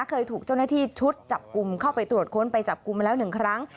เคยถูกเจ้าหน้าที่ชุดจับกลุ่มเข้าไปตรวจค้นไปจับกลุ่มมาแล้ว๑ครั้ง